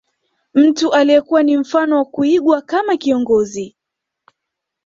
Mtu aliyekuwa ni mfano wa kuigwa kama kiongozi